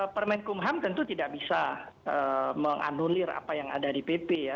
permen kumham tentu tidak bisa menganulir apa yang ada di pp ya